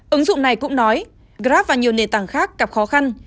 ứng dụng này cũng nói grab và nhiều nền tảng khác gặp khó khăn